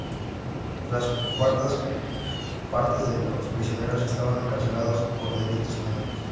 Tres cuartas partes de los prisioneros estaban encarcelados por delitos comunes.